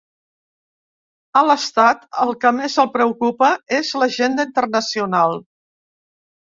A l’estat el que més el preocupa és l’agenda internacional.